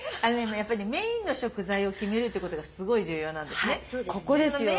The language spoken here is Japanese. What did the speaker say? やっぱりメインの食材を決めるってことがすごい重要なんですね。